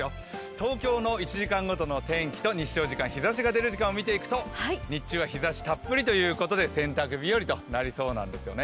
東京の１時間ごとの天気と日照時間、日ざしが出る時間を見ていくと日中は日ざしたっぷりということで洗濯日和となりそうなんですよね。